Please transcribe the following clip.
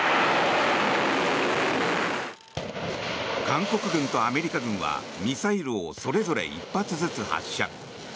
韓国軍とアメリカ軍はミサイルをそれぞれ１発ずつ発射。